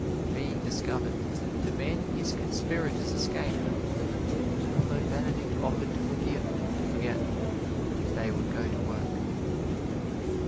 Being discovered, the man and his conspirators escaped, although Benedict offered to forgive and forget if they would go to work.